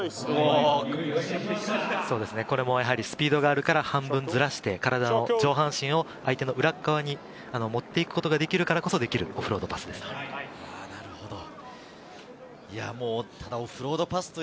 これもスピードがあるから半分ずらして、体の上半身を相手の裏側に持っていくことができるからこそできるオフロードパスです。